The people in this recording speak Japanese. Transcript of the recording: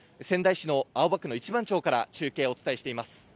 仙台市の青葉区の一番町から中継をお伝えしています。